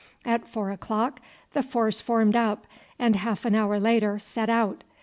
At four o'clock the force formed up, and half an hour later set out.